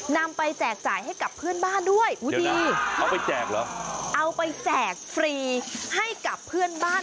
นำไปแจกจ่ายให้กับเพื่อนบ้านด้วยเอาไปแจกฟรีให้กับเพื่อนบ้าน